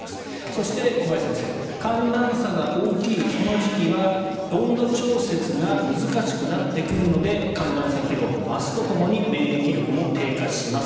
そして小林先生寒暖差が大きいこの時期は温度調節が難しくなってくるので寒暖差疲労も増すとともに免疫力も低下します。